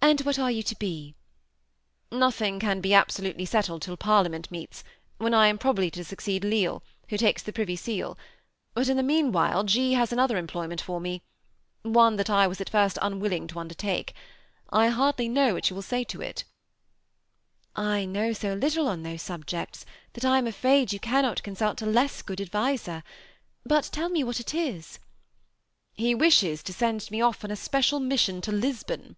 And what are you to be ?" ^'Nothing can be absolutely settled till Parliament meets, when I am probably to succeed Lisle, who takes the Privy Seal ; but in the meanwhile, 6. has another employment for me, — one that I was at first unwilling to undertake. I hardly know what you will say to it" ^ I know so little on those subjects, that I am afraid you cannot consult a less good adviser. But tell me what it is." '^ He wants to send me off on a special mission to Lisbon."